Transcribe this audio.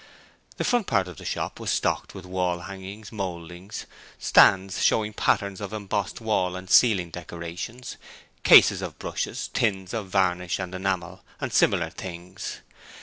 The front part of the shop was stocked with wall hangings, mouldings, stands showing patterns of embossed wall and ceiling decorations, cases of brushes, tins of varnish and enamel, and similar things.